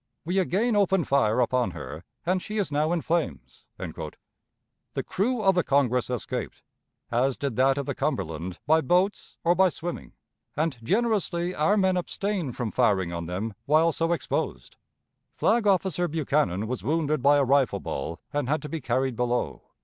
We again opened fire upon her, and she is now in flames." The crew of the Congress escaped, as did that of the Cumberland, by boats, or by swimming, and generously our men abstained from firing on them while so exposed. Flag officer Buchanan was wounded by a rifle ball, and had to be carried below.